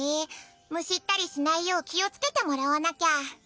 むしったりしないよう気をつけてもらわなきゃ。